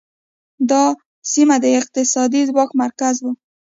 دا سیمه د اقتصادي ځواک مرکز و